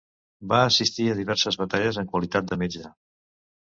Va assistir a diverses batalles en qualitat de metge.